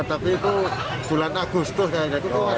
tapi itu bulan agustus